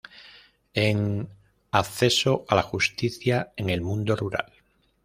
En: Acceso a la justicia en el mundo rural.